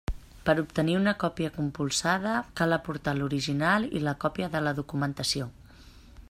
Per obtenir una còpia compulsada, cal aportar l'original i la còpia de la documentació.